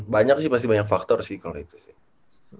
banyak sih pasti banyak faktor sih kalau itu sih